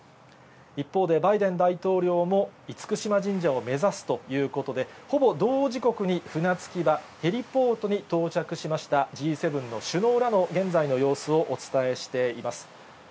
一方で、バイデン大統領も厳島神社を目指すということで、ほぼ同時刻に船着き場、ヘリポートに到着しました、Ｇ７の首脳らの現在の様子をお伝えしています。